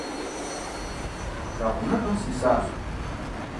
Лъагъуныгъэм сисащ…